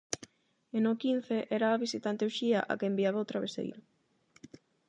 E no quince era a visitante Uxía a que enviaba o traveseiro.